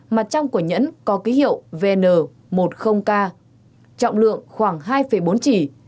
mặt trong của nhẫn có ký hiệu vn một mươi k trọng lượng khoảng hai bốn trì